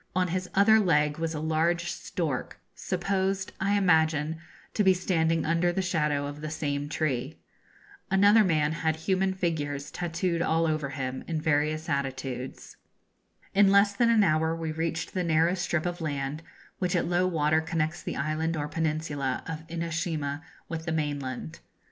On his other leg was a large stork, supposed, I imagine, to be standing under the shadow of the same tree. Another man had human figures tattooed all over him, in various attitudes. [Illustration: A Drag across the Sand in a Jinrikisha.] In less than an hour we reached the narrow strip of land which at low water connects the island or peninsula of Inoshima with the mainland.